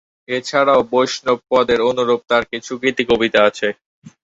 এ ছাড়াও বৈষ্ণবপদের অনুরূপ তাঁর কিছু গীতিকবিতা আছে।